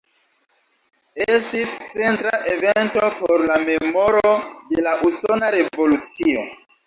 Estis centra evento por la memoro de la Usona Revolucio.